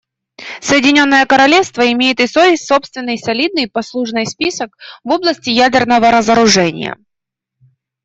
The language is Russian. Соединенное Королевство имеет и свой собственный солидный послужной список в области ядерного разоружения.